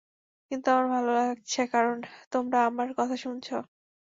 কিন্তু আমার ভালো লাগছে কারণ তোমরা আমার কথা শুনছো।